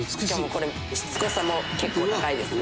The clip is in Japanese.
「しつこさも結構高いですね」